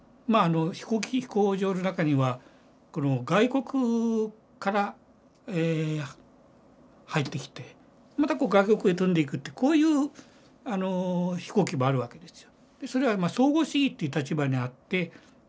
飛行場の中には外国から入ってきてまた外国へ飛んでいくってこういう飛行機もあるわけですよ。